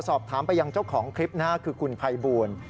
สอบถามไปยังเจ้าของคลิปนะฮะคือคุณภัยบูล